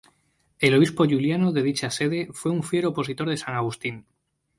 El obispo Giuliano de dicha sede fue un fiero opositor de San Agustín.